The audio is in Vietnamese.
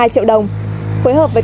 một mươi hai triệu đồng phối hợp với